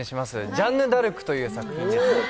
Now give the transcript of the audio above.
「ジャンヌ・ダルク」という作品です。